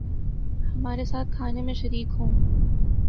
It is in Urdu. ہمارے ساتھ کھانے میں شریک ہوں